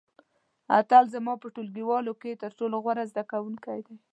اتل زما په ټولګیوالو کې تر ټولو غوره زده کوونکی دی.